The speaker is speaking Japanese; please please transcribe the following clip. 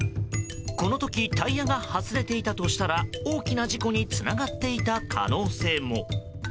この時タイヤが外れていたとしたら大きな事故につながっていた可能性も。